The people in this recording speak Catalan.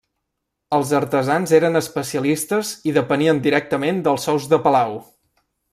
Els artesans eren especialistes i depenien directament dels sous de palau.